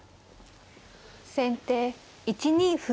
先手１二歩。